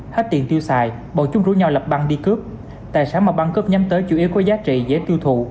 hết tiền tiêu xài bọn chúng rủ nhau lập băng đi cướp tài sản mà băng cướp nhắm tới chủ yếu có giá trị dễ tiêu thụ